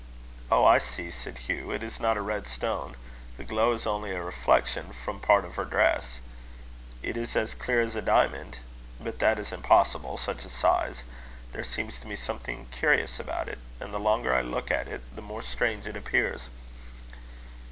"Oh! I see," said Hugh; "it is not a red stone. The glow is only a reflection from part of her dress. It is as clear as a diamond. But that is impossible such a size. There seems to me something curious about it; and the longer I look at it, the more strange it appears."